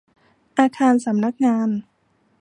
อาคารสำนักงาน